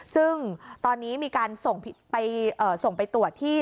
ซึ่งตอนนี้มีการส่งไปตรวจที่